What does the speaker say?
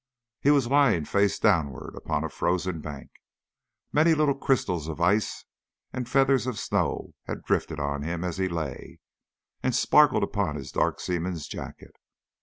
He was lying face downwards upon a frozen bank. Many little crystals of ice and feathers of snow had drifted on to him as he lay, and sparkled upon his dark seaman's jacket.